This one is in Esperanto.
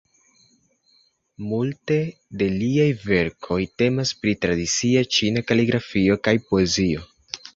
Multe de liaj verkoj temas pri tradicia ĉina kaligrafio kaj poezio.